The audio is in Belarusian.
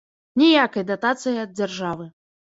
Ніякай датацыі ад дзяржавы.